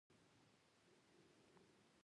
د ټکنالوژۍ او مهارتونو په برخه کې پانګونه هڅوي.